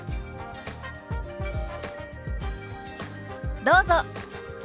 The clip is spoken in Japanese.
どうぞ。